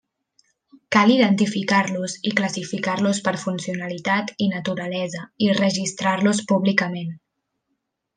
Cal identificar-los i classificar-los per funcionalitat i naturalesa i registrar-los públicament.